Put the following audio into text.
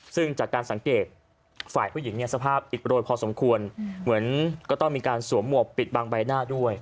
ซึ่งจากการสังเกตฝ่ายผู้หญิงเนี่ยสภาพอิดโรยพอสมควรเหมือนก็ต้องมีการสวมหมวกปิดบางใบหน้าด้วย